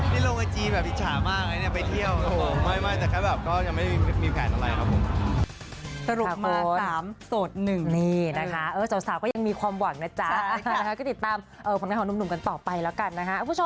สรุปมาสามโสดหนึ่งนี่นะคะเออสาวก็ยังมีความหวังนะจ๊ะใช่ค่ะนะคะก็ติดตามเออพรรณาของหนุ่มกันต่อไปแล้วกันนะคะ